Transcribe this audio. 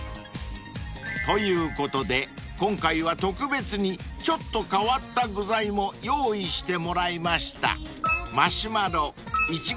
ということで今回は特別にちょっと変わった具材も用意してもらいました］